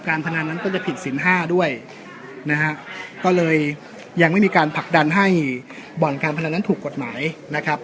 พนันนั้นก็จะผิดสินห้าด้วยนะฮะก็เลยยังไม่มีการผลักดันให้บ่อนการพนันนั้นถูกกฎหมายนะครับ